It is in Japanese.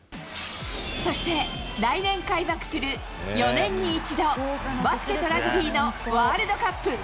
そして、来年開幕する、４年に一度、バスケとラグビーのワールドカップ。